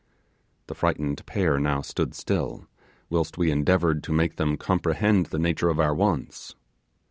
The frightened pair now stood still, whilst we endeavoured to make them comprehend the nature of our wants.